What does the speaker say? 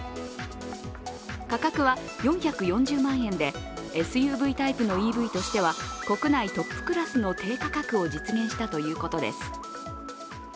価格は４４０万円で、ＳＵＶタイプのＥＶとしては国内トップクラスの低価格を実現したということです。